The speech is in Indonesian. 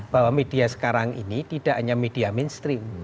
bahwa media sekarang ini tidak hanya media mainstream